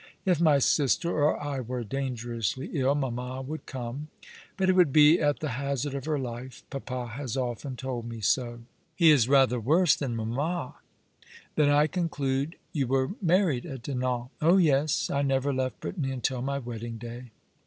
If my sister or I were dangerously ill, mamma would come. But it would be at the hazard of her life. Papa has often told me so." " And your father, is he a bad sailor ?"" He is rather worse than mamma." " Then I conclude you were married at Dinan ?"" Oh yes ; I never left Brittany until my wedding day."